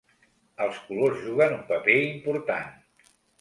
Els colors juguen un paper important.